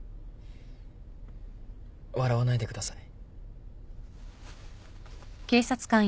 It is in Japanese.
笑わないでください。